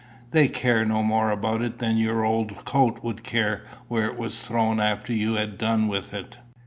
They care no more about it than your old coat would care where it was thrown after you had done with it."